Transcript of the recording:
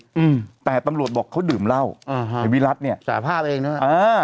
อืมแต่ตำลวจบอกเขาดื่มเหล้าอ๋อฮะไอ้วิรัติเนี่ยสาภาพเองเนอะ